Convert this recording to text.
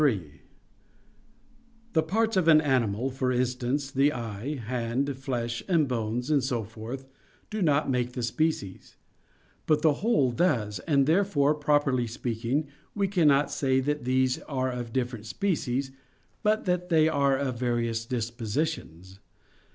3: The parts of an animal, for instance, the eye, hand, flesh, and bones, and so forth, do not make the species; but the whole does, and therefore, properly speaking, we cannot say that these are of different species, but that they are of various dispositions.